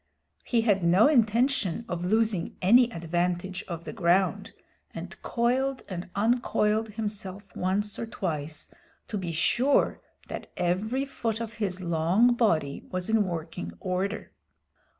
He had no intention of losing any advantage of the ground, and coiled and uncoiled himself once or twice, to be sure that every foot of his long body was in working order.